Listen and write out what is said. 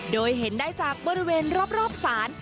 โดยเห็นได้จากบริเวณรอบศาล